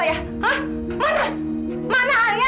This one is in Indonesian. kamu tak akan suaminya